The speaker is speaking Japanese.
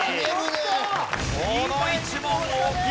この１問大きい！